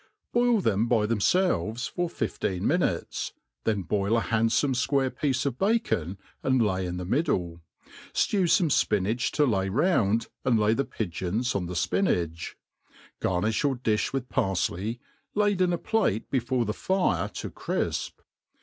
BOIL them by themfelves, for fifteen minutes ; then boil a )iandfdme fquare piece of bacon and lay in the n^iddle ; flew fome fpinach to lay round, and lay the pigeons on the fpinach. Garni(H your difli with parfley, laid in a plate before the fire to crifp.